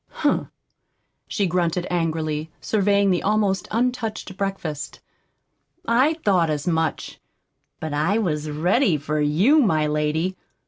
"Humph!" she grunted angrily, surveying the almost untouched breakfast. "I thought as much! But I was ready for you, my lady.